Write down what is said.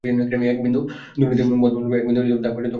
একবিন্দু দুর্নীতি, বদ মতলবের একবিন্দু দাগ পর্যন্ত যেন না থাকে।